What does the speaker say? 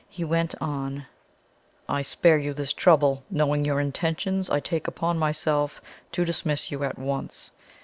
He went on: "I spare you this trouble. Knowing your intentions, I take upon myself to dismiss you at once.